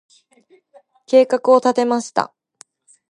計画を立てました。